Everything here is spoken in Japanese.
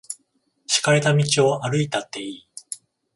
敷かれた道を歩いたっていい。